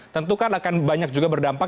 tentu kan akan banyak juga berdampak